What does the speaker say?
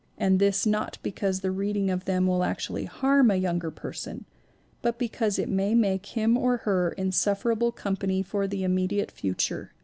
And this not because the reading of them will actually harm a younger person, but because it may make him or her insufferable company for the immediate future.